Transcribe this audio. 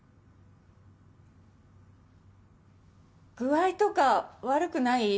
具合とか悪くない？